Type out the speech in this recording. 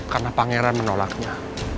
karena pangeran menolaknya